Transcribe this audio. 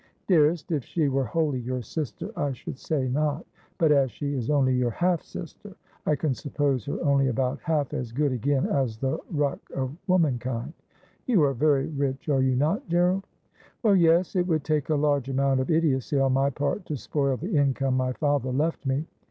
' Dearest, if she were wholly your sister I should say not. But as she is only your half sister, I can suppose her only about half as good again as the ruck of womankind.' ' You are very rich, are you not, Gerald ?'' Well, yes ; it would take a large amount of idiocy on my part to spoil the income my father left me.